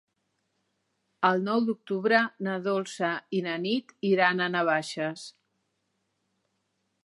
El nou d'octubre na Dolça i na Nit iran a Navaixes.